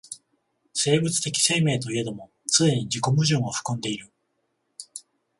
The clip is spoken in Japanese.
生物的生命といえども既に自己矛盾を含んでいる。